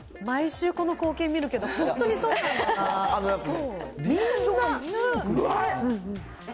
毎週、この光景見るけど本当うわー。